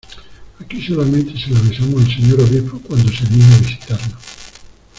aquí solamente se la besamos al Señor Obispo, cuando se digna visitarnos.